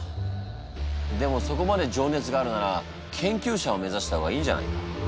でもそこまで情熱があるなら研究者を目指した方がいいんじゃないか？